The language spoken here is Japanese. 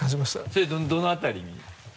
それどの辺りに？